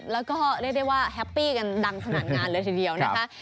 แล้วก็เรียกได้ว่าแฮปปี้กันดังขนาดงานเลยทีเดียวนะคะ